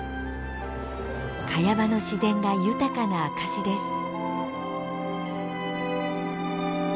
カヤ場の自然が豊かな証しです。